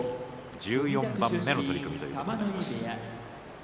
１４番目の取組です。